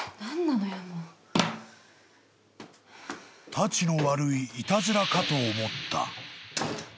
［たちの悪いいたずらかと思った］